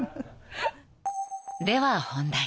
［では本題］